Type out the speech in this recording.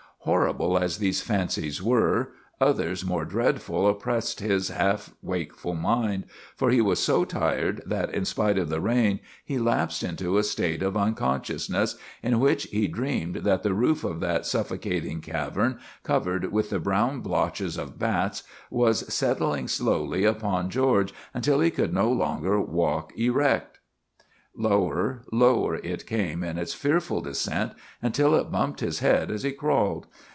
Horrible as these fancies were, others more dreadful oppressed his half wakeful mind; for he was so tired that in spite of the rain he lapsed into a state of unconsciousness, in which he dreamed that the roof of that suffocating cavern, covered with the brown blotches of bats, was settling slowly upon George, until he could no longer walk erect. Lower, lower it came in its fearful descent, until it bumped his head as he crawled.